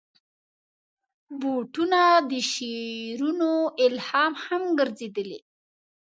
بوټونه د شعرونو الهام هم ګرځېدلي.